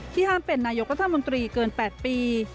ที่ห้ามเป็นนายกุธมนตรีเกิน๘ปี